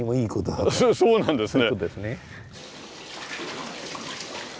そうなんですね。